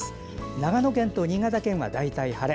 長野県と新潟県は大体、晴れ。